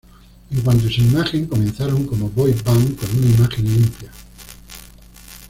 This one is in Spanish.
En cuanto a su imagen, comenzaron como boyband con una imagen limpia.